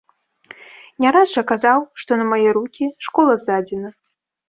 Не раз жа казаў, што на мае рукі школа здадзена.